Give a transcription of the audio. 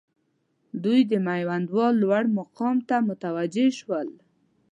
دوی د میوندوال لوړ مقام ته متوجه شول.